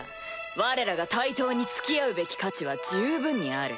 我らが対等に付き合うべき価値は十分にある。